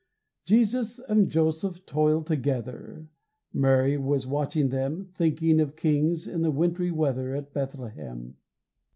Jesus and Joseph toiled together, Mary was watching them, Thinking of kings in the wintry weather At Bethlehem.